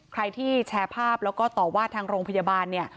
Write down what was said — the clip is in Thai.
ใครที่แชร์ภาพแล้วก็ต่อว่าทางโรงพยาบาลเนี่ย